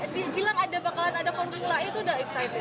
bilang bakalan ada formula e itu sudah teruja